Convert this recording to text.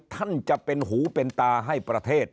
ท่านจะเป็นหูเป็นตาให้ประเทศ